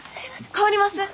代わります。